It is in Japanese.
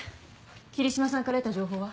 桐嶋さんから得た情報は？